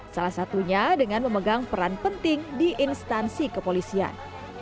salah satunya dengan memegang peran penting di instansi kepolisian